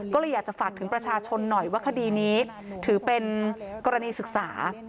ก็เลยอยากจะฝากถึงประชาชนหน่อยว่าคดีนี้ถือเป็นกรณีศึกษา